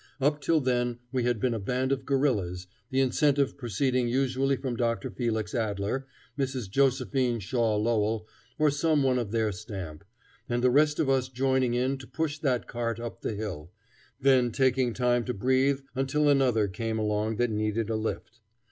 Up till then we had been a band of guerillas, the incentive proceeding usually from Dr. Felix Adler, Mrs. Josephine Shaw Lowell, or some one of their stamp; and the rest of us joining in to push that cart up the hill, then taking time to breathe until another came along that needed a lift.